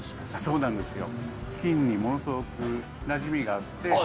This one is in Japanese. そうなんですか。